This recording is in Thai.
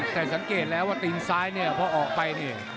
แต่สังเกตแล้วนะครับตีนซ้ายพอออกไป